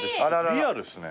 リアルっすね。